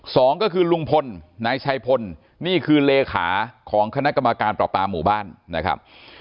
สองก็คือลุงพลนายชัยพลนี่คือเลขาของคณะกรรมการปราปาหมู่บ้านนะครับ